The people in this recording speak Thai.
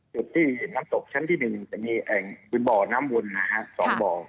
จุดที่น้ำตกชั้นที่๑จะมีบ่อน้ำวนนะฮะ๒บ่อ